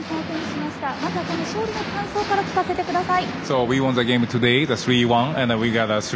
まずは、この勝利の感想から聞かせてください。